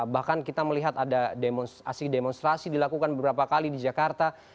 bahkan kita melihat ada aksi demonstrasi dilakukan beberapa kali di jakarta